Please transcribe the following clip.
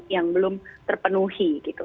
yang belum terpenuhi gitu